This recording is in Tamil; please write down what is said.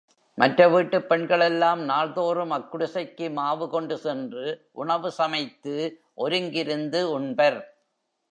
மற்ற வீட்டுப் பெண்களெல்லாம் நாள்தோறும் அக்குடிசைக்கு மாவு கொண்டு சென்று, உணவு சமைத்து ஒருங்கிருந்து உண்பர்.